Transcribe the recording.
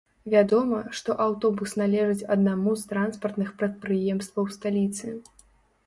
Вядома, што аўтобус належыць аднаму з транспартных прадпрыемстваў сталіцы.